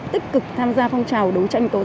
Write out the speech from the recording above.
tích cực tham gia phong trào đấu tranh tố giác